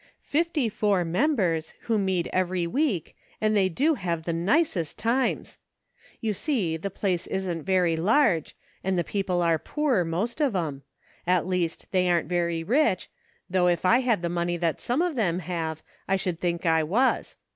Fifty four members, who meet every week, and they do have the nicest times ! You see the place isn't very large, and the people are poor, most of 'em ; at least they aren't very rich, though if I had the money that some of them have, I should think I was.